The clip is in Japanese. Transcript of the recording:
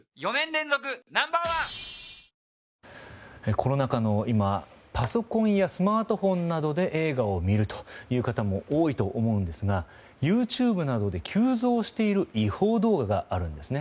コロナ禍の今パソコンやスマートフォンなどで映画を見るという方も多いと思うんですがＹｏｕＴｕｂｅなどで急増している違法動画があるんですね。